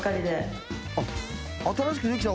新しくできた？